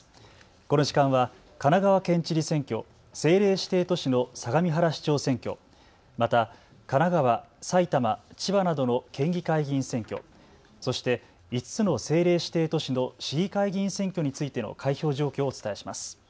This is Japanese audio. この時間は、神奈川県知事選挙、政令指定都市の相模原市長選挙、また神奈川、埼玉、千葉などの県議会議員選挙、そして５つの政令指定都市の市議会議員選挙についての開票状況をお伝えします。